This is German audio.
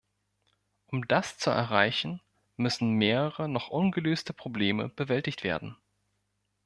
Um das zu erreichen, müssen mehrere noch ungelöste Probleme bewältigt werden.